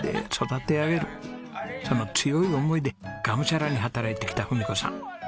その強い思いでがむしゃらに働いてきた文子さん。